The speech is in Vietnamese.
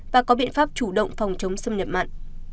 và có biện pháp chủ động phòng chống xâm nhập mặn